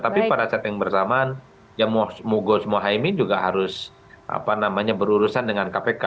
tapi pada saat yang bersamaan ya mogos mohaimin juga harus berurusan dengan kpk